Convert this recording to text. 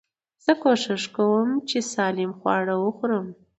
زه کوشش کوم، چي سالم خواړه وخورم.